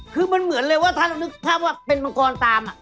คือมันเหมือนเลยว่าถ้าเป็นมังกรตาม